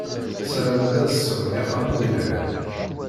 Saramen ad sɛun ixxamen yelhan.